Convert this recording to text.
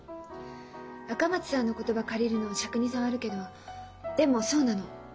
赤松さんの言葉借りるのしゃくに障るけどでもそうなの。